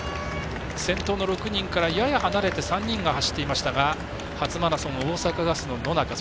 先頭の６人からやや離れて３人が走っていましたが初マラソンを大阪ガスの野中。